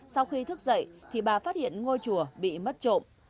sau khi thức dậy thì bà phát hiện ngôi chùa bị mất trộm